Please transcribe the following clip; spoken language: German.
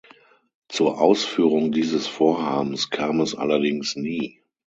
Zur Ausführung dieses Vorhabens kam es allerdings nie.